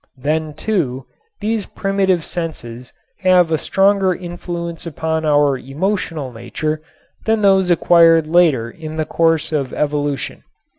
Then, too, these primitive senses have a stronger influence upon our emotional nature than those acquired later in the course of evolution.